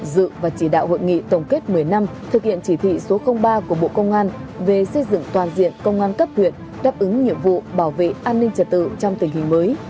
dự và chỉ đạo hội nghị tổng kết một mươi năm thực hiện chỉ thị số ba của bộ công an về xây dựng toàn diện công an cấp huyện đáp ứng nhiệm vụ bảo vệ an ninh trật tự trong tình hình mới